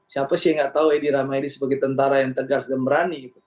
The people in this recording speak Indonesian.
siapa sih nggak tahu edi rahmayadi sebagai tentara yang tegas dan berani